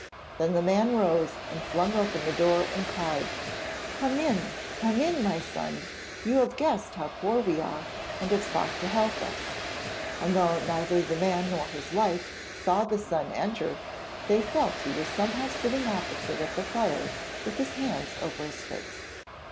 Then the man rose and flung open the door and cried: 'Come in, come in, my son! You have guessed how poor we are and have sought to help us,' and though neither the man nor his wife saw the son enter, they felt he was somehow sitting opposite at the fire, with his hands over his face.